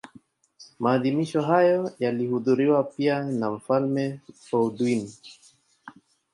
Maadhimisho hayo yalihudhuriwa pia na Mfalme Baudouin